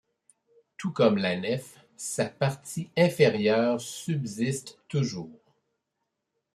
Tout comme la nef, sa partie inférieure subsiste toujours.